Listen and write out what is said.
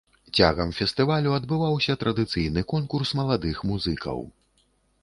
Цягам фестывалю адбываўся традыцыйны конкурс маладых музыкаў.